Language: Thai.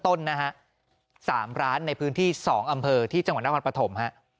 ต้นนะฮะ๓ร้านในพื้นที่๒อำเภอที่จังหวัดนครปฐมฮะ